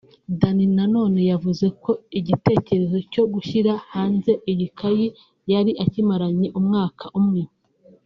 Danny Nanone yavuze ko igitekerezo cyo gushyira hanze iyi kayi yari akimaranye umwaka umwe